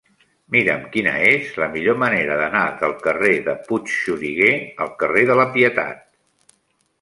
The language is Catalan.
Mira'm quina és la millor manera d'anar del carrer de Puigxuriguer al carrer de la Pietat.